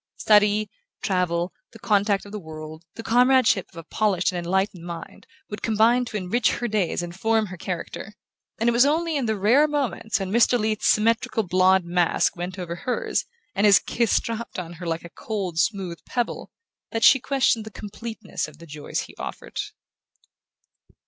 Study, travel, the contact of the world, the comradeship of a polished and enlightened mind, would combine to enrich her days and form her character; and it was only in the rare moments when Mr. Leath's symmetrical blond mask bent over hers, and his kiss dropped on her like a cold smooth pebble, that she questioned the completeness of the joys he offered.